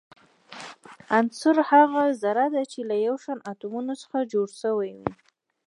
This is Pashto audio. عنصر هغه ذره ده چي له يو شان اتومونو څخه جوړ سوی وي.